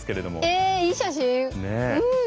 えいい写真うん。